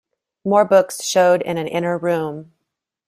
More books showed in an inner room.